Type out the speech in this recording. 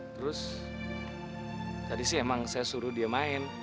terus tadi sih emang saya suruh dia main